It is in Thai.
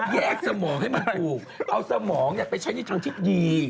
สมองให้มันถูกเอาสมองไปใช้ในทางที่ดี